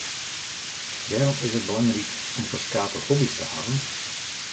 Wêrom is it belangryk om ferskate hobby’s te hawwen?